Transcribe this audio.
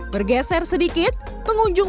bergeser sedikit pengunjung